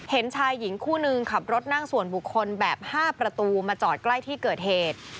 เห็นชายหญิงคู่นึงขับรถนั่งส่วนบุคคลแบบ๕ประตูมาจอดใกล้ที่เกิดเหตุ